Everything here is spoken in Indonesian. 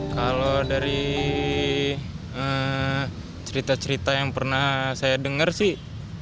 kalau dari cerita cerita yang pernah saya dengar sih